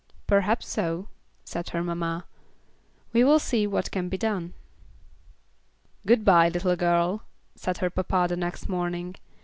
"Perhaps so," said her mamma. "We will see what can be done." "Good bye, little girl," said her papa the next morning.